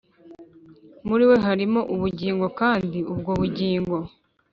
Muri we harimo ubugingo kandi ubwo bugingo